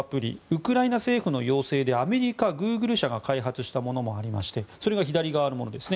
ウクライナ政府の要請でアメリカ、グーグル社が開発したものもありましてそれが左側です。